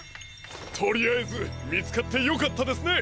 とりあえずみつかってよかったですね。